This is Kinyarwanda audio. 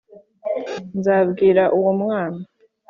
nzabwira uwo mwana